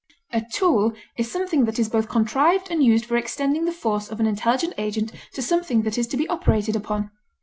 A tool is something that is both contrived and used for extending the force of an intelligent agent to something that is to be operated upon.